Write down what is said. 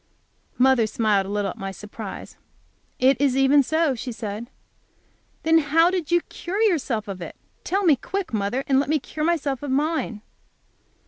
Mother smiled a little at my surprise. "It is even so," she said. "Then how did you cure yourself of it? Tell me quick, mother, and let me cure myself of mine."